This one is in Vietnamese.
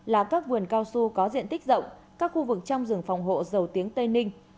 là các vườn cao su có diện tích rộng các khu vực trong rừng phòng hộ dầu tiếng tây ninh